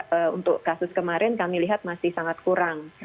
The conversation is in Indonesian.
tapi untuk kasus kemarin kami lihat masih sangat kurang